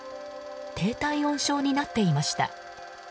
低体温症になっていました。